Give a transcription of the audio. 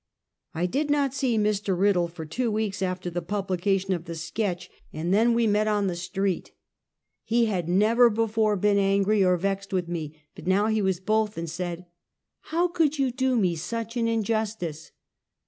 I did not see Mr. Riddle for two weeks after the publication of the sketch, and then we met on the 138 Half a Century. street. He had never before been angrv or vexed with me, but now he was both, and said: "How could you do me such an injustice?"